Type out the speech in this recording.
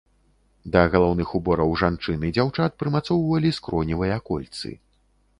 Да галаўных убораў жанчын і дзяўчат прымацоўвалі скроневыя кольцы.